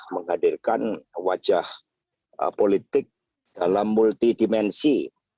menghadirkan wajah politik dalam multidimensi